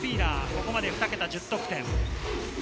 ここまで２桁、１０得点。